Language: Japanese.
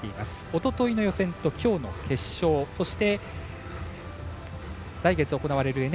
おとといの予選と、きょうの決勝そして、来月行われるＮＨＫ杯。